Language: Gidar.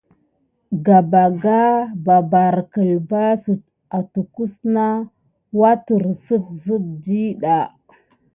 Gabaga ɓɑɓɑrɑ kelba site ototuhe nà wature kusuhobi kasa maylni wukedé hubosita.